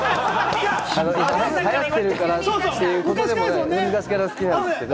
流行ってるからということでもなく、昔から好きなんですけれども。